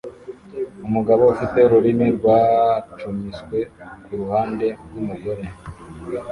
Umugabo ufite ururimi rwacumiswe kuruhande rwumugore